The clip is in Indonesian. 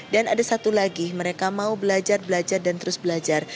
dan ada satu lagi mereka mau belajar belajar dan terus belajar